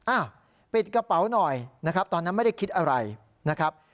อ้าวปิดกระเป๋าหน่อยนะครับตอนนั้นไม่ได้คิดอะไรนะครับ